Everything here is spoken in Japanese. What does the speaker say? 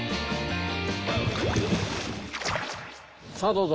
さあどうぞ。